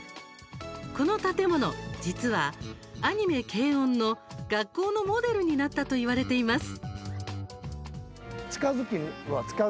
この建物、実はアニメ「けいおん！」の学校のモデルになったといわれています。